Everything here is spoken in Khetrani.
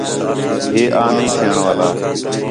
ہے آں نہی تھیݨ والا